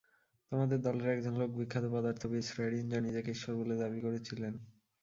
তোমাদের দলের এক জন লোক বিখ্যাত পদার্থবিদ শ্রেডিনজার নিজেকে ঈশ্বর বলে দাবি করেছিলেন।